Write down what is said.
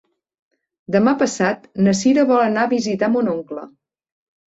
Demà passat na Cira vol anar a visitar mon oncle.